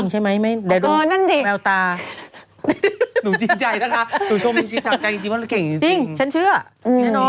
น่ายามเห็นหน้าก่อนสัญกรรม